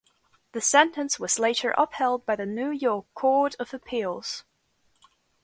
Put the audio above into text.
The sentence was later upheld by the New York Court of Appeals.